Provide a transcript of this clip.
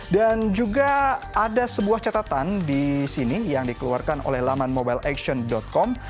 dan juga ada sebuah catatan disini yang dikeluarkan oleh laman mobileaction com